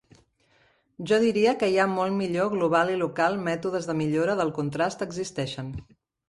Jo diria que hi ha molt millor global i local mètodes de millora del contrast existeixen.